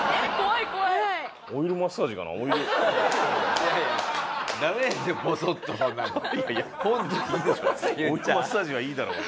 いやいやオイルマッサージはいいだろうよ。